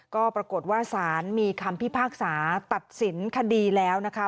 ก็ปรากฏว่าสารมีคำพิพากษาตัดสินคดีแล้วนะคะ